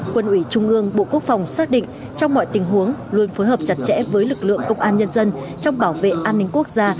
quân ủy trung ương bộ quốc phòng xác định trong mọi tình huống luôn phối hợp chặt chẽ với lực lượng công an nhân dân trong bảo vệ an ninh quốc gia